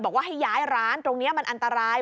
บอกว่าให้ย้ายร้านตรงนี้มันอันตราย